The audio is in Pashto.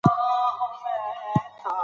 میا افتخار حسین د هغه په اړه خبرې کړې دي.